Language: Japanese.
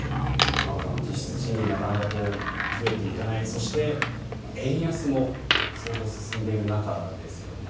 玉川さん、実質賃金なかなか増えていかないそして、円安も相当進んでいる中ですよね。